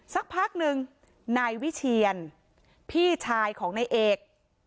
สักพักหนึ่งนายวิเชียนพี่ชายของนายเอก